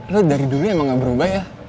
lo dari dulu emang gak berubah ya